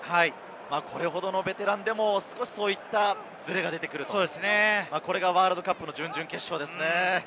これほどのベテランでも少し、そういったズレが出てくる、これがワールドカップの準々決勝ですね。